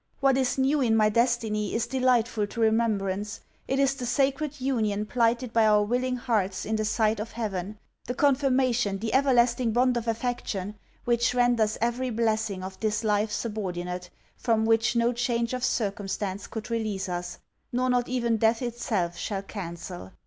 What is new in my destiny is delightful to remembrance: it is the sacred union plighted by our willing hearts in the sight of heaven, the confirmation the everlasting bond of affection, which renders every blessing of this life subordinate, from which no change of circumstance could release us, nor not even death itself shall cancel.